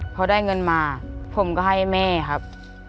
พอได้เงินมาผมก็ให้แม่ครับ